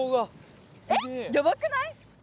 えっやばくない？